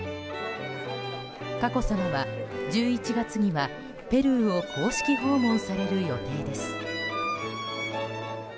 佳子さまは１１月にはペルーを公式訪問される予定です。